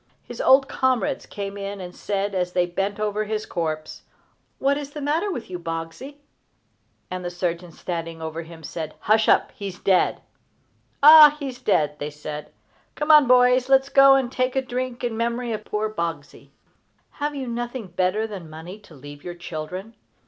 His old comrades came in and said, as they bent over his corpse: "What is the matter with you, Boggsey?" The surgeon standing over him said: "Hush up! he is dead!" "Ah, he is dead!" they said. "Come, boys, let us go and take a drink in memory of poor Boggsey!" Have you nothing better than money to leave your children?